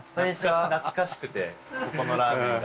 懐かしくてここのラーメンが。